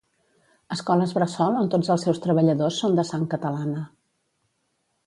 Escoles bressol on tots els seus treballadors són de sang catalana